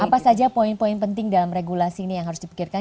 apa saja poin poin penting dalam regulasi ini yang harus dipikirkan